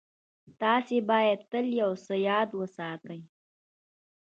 تاسې بايد تل يو څه ياد وساتئ.